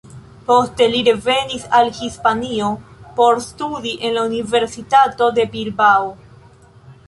Poste, li revenis al Hispanio por studi en la universitato de Bilbao.